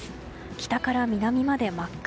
北から南まで真っ赤。